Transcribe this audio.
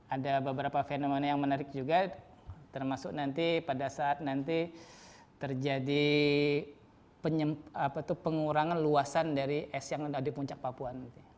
ada beberapa fenomena yang menarik juga termasuk nanti pada saat nanti terjadi pengurangan luasan dari es yang ada di puncak papua